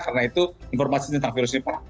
karena itu informasi tentang virus nipah